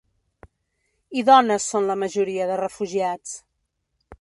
I dones són la majoria de refugiats.